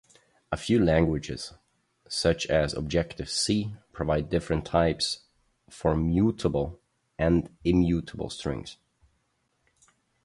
A few languages, such as Objective-C, provide different types for mutable and immutable strings.